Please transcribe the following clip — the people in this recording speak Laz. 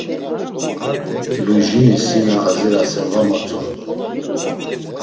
Lujinis si na azirasen var motzondun.